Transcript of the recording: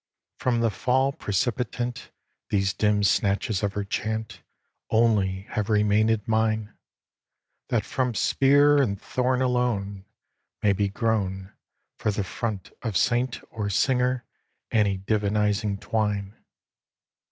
From the fall precipitant These dim snatches of her chant[B] Only have remainèd mine; That from spear and thorn alone May be grown For the front of saint or singer any divinizing twine.